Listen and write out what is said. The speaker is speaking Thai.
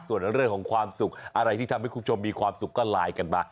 ส่วนเรื่องของความสุขอะไรที่ทำให้คุณผู้ชมมีความสุขก็ไลน์กันมา